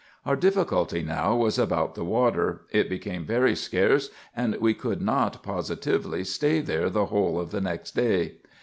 Our difficulty now was about the water; it became very scarce, and we could not, positively, stay there the whole of the next day.